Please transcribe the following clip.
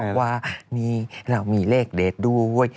ว่านี่เรามีเลขเด็ดด้วย